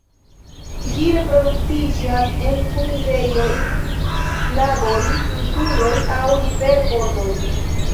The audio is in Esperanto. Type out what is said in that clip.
Ĝi reproduktiĝas en humidejoj, lagoj, insuloj aŭ riverbordoj.